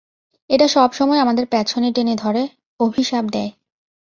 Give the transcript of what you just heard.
এটা সবসময় আমাদের পেছনে টেনে ধরে, অভিশাপ দেয়।